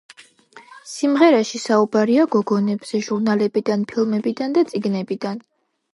სიმღერაში საუბარია გოგონებზე ჟურნალებიდან, ფილმებიდან და წიგნებიდან.